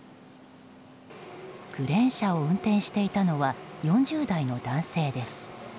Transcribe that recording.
クレーン車を運転していたのは４０代の男性です。